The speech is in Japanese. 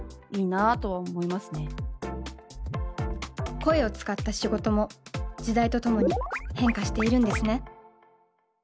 声を使った仕事も時代とともに変化しているんですね。